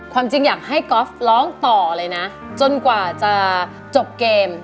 ความจริงอยากให้ก๊อฟร้องต่อเลยนะจนกว่าจะจบเกม